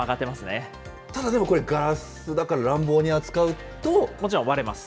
ただでも、これガラスだから、もちろん割れます。